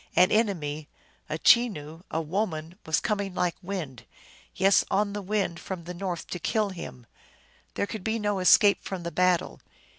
An enemy, a Chenoo, a woman, was coming like wind, yes on the wind from the north to kill him. There could be no escape from the battle.